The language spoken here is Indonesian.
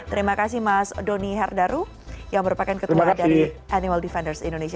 terima kasih mas doni herdaru yang merupakan ketua dari animal defenders indonesia